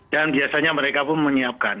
dan biasanya mereka pun menyiapkan